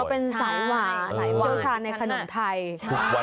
เขาเป็นสายหวานชื่อชาญในขนมไทยทุกวันนี้ใช่